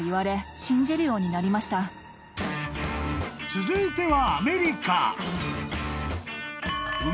［続いては］